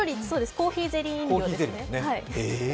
コーヒーゼリー飲料ですね。